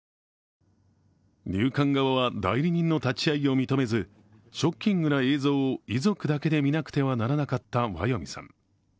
入管側は代理人の立ち会いを認めず、ショッキングな映像を遺族だけで見なくてはならなかったワヨミさん。